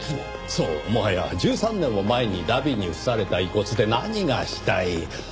そうもはや１３年も前に荼毘に付された遺骨で何がしたい？